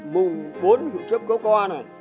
mùng bốn hữu chấp có coa này